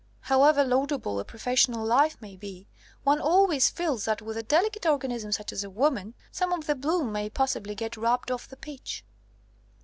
However laudable a professional life may be, one always feels that with a delicate organism such as woman, some of the bloom may possibly get rubbed off the peach."